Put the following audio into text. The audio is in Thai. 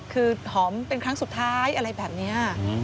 คือหอมเป็นครั้งสุดท้ายอะไรแบบนี้